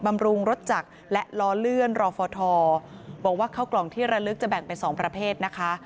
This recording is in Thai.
บำรุงรถจักรและล้อเลื่อนรอฟทบอกว่าเข้ากล่องที่ระลึกจะแบ่งเป็นสองประเภทนะคะ